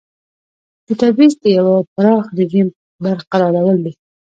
د تبعیض د یوه پراخ رژیم برقرارول دي.